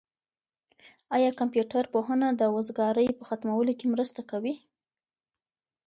آیا کمپيوټر پوهنه د وزګارۍ په ختمولو کي مرسته کوي؟